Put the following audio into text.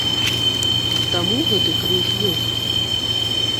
Таму гэты крыж ёсць.